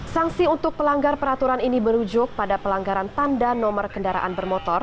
sanksi untuk pelanggar peraturan ini merujuk pada pelanggaran tanda nomor kendaraan bermotor